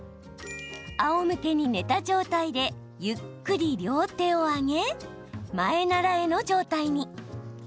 あおむけに寝た状態でゆっくり両手を上げ前ならえの状態に。